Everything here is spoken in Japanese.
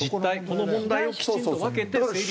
この問題をきちんと分けて整理する。